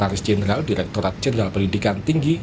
pak taris jenderal direktorat jenderal perlindikan tinggi